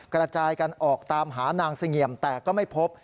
กระจายกันออกตามหานางเสงี่ยมแต่ก็ไม่พบ